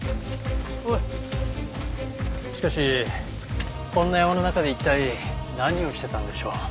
しかしこんな山の中で一体何をしてたんでしょう？